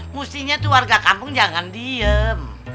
mustinya tu warga kampung jangan diem